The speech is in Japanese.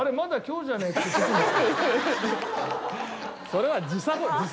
それは。